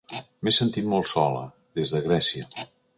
M'he sentit molt sola, des de Grècia.